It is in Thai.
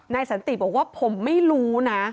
สันติบอกว่าผมไม่รู้นะ